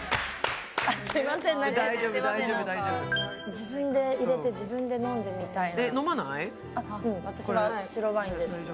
自分で入れて自分で飲んでみたいな。